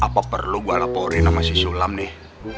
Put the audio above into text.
apa perlu gue laporin sama si sulam nih